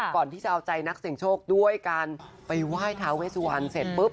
ก่อนที่จะเอาใจนักเสียงโชคด้วยการไปไหว้ทาเวสวันเสร็จปุ๊บ